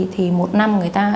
thì một năm người ta